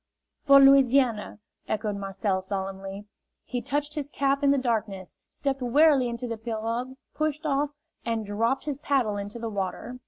"For Louisiana!" echoed Marcel, solemnly. He touched his cap in the darkness, stepped warily into the pirogue, pushed off, and dropped his paddle into the water.